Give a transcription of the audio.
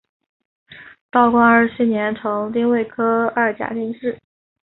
道光二十七年成丁未科二甲进士。